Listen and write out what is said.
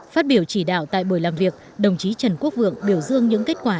phát biểu chỉ đạo tại buổi làm việc đồng chí trần quốc vượng biểu dương những kết quả